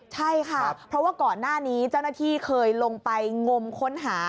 ใช่ค่ะเพราะว่าก่อนหน้านี้เจ้าหน้าที่เคยลงไปงมค้นหา